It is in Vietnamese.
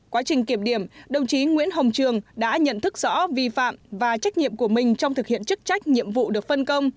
quá trình kiểm điểm đồng chí nguyễn hồng trường đã nhận thức rõ vi phạm và trách nhiệm của mình trong thực hiện chức trách nhiệm vụ được phân công